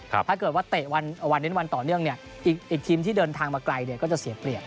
ถ้าเกิดว่าเตะวันเน้นวันต่อเนื่องเนี่ยอีกทีมที่เดินทางมาไกลเนี่ยก็จะเสียเปรียบ